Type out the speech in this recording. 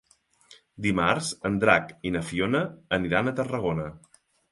Dimarts en Drac i na Fiona aniran a Tarragona.